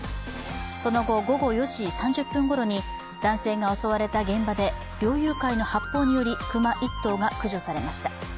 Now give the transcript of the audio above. その後、午後４時３０分ごろに、男性が襲われた現場で猟友会の発砲により熊１頭が駆除されました。